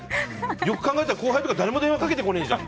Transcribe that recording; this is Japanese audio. よく考えたら後輩とか電話かけてこないじゃん。